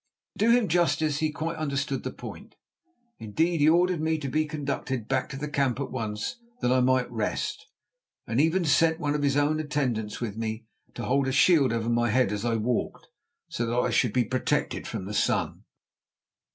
To do him justice he quite understood the point. Indeed, he ordered me to be conducted back to the camp at once that I might rest, and even sent one of his own attendants with me to hold a shield over my head as I walked so that I should be protected from the sun.